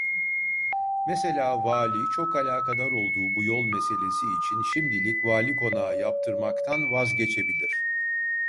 Mesela vali çok alakadar olduğu bu yol meselesi için şimdilik vali konağı yaptırmaktan vazgeçebilir…